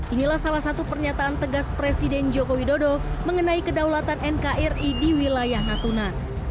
inilah salah satu pernyataan tegas presiden joko widodo mengenai kedaulatan nkri di wilayah natuna